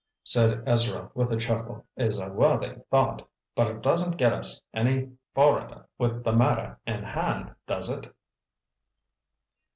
"That," said Ezra with a chuckle, "is a worthy thought—but it doesn't get us any forrider with the matter in hand, does it?"